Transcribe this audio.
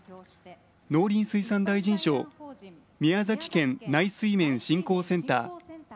農林水産大臣賞宮崎県内水面振興センター。